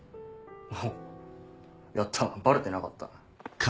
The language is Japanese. おっやったバレてなかった。